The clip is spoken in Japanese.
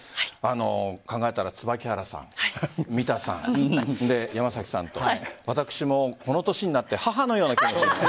考えたら椿原さん三田さん山崎さんと、私もこの歳になって母のような気持ち。